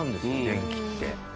電気って。